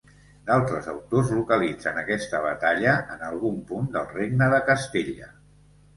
D'altres autors localitzen aquesta batalla en algun punt del regne de Castella.